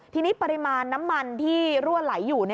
ทีนี้ปริมาณน้ำมันที่รั่วไหลอยู่